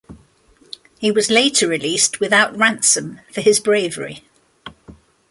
He was later released without ransom for his bravery.